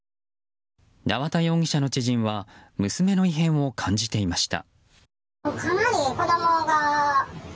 縄田容疑者の知人は娘の異変を感じていました。